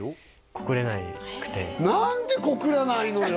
告れなくて何で告らないのよ！